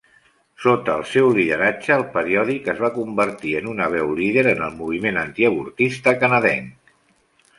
Sota el seu lideratge, el periòdic es va convertir en una veu líder en el moviment antiavortista canadenc.